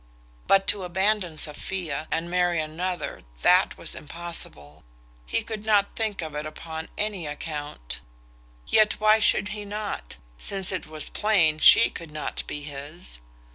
But to abandon Sophia, and marry another, that was impossible; he could not think of it upon any account, Yet why should he not, since it was plain she could not be his?